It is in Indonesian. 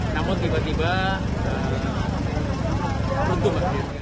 namun tiba tiba runtuh